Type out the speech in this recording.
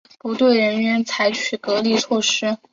不对人员采取隔离措施